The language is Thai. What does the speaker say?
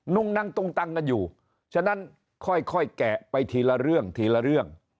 นุ่งนั่งตุ้งตังกันอยู่ฉะนั้นค่อยแกะไปทีละเรื่องทีละเรื่อง